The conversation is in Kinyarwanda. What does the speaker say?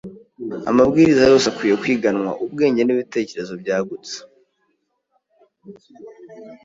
Amabwiriza yose akwiriye kwiganwa ubwenge n’ibitekerezo byagutse